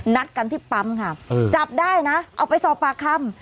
นัดกันที่ปั๊มค่ะจับได้นะเอาไปสอบปากคำ